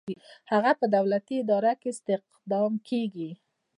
هغه په دولتي اداره کې استخدام کیږي.